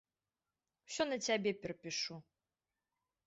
Усё на цябе перапішу.